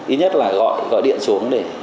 ít nhất là gọi điện xuống để